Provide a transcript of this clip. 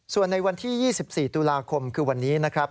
ส่วนในวันที่๒๔ตุลาคมคือวันนี้นะครับ